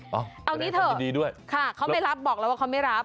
เอาอย่างนี้เถอะค่ะเขาไม่รับบอกแล้วว่าเขาไม่รับ